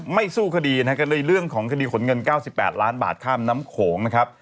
ไม่สู้คดีนะฮะก็เลยเรื่องของคดีขนเงินเก้าสิบแปดล้านบาทข้ามน้ำโขงนะครับ